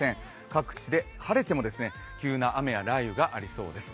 各地で晴れても急な雨や雷雨がありそうです。